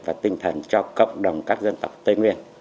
và tinh thần cho cộng đồng các dân tộc tây nguyên